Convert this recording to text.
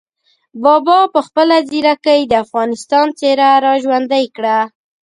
بابا په خپله ځیرکۍ د افغانستان څېره را ژوندۍ کړه.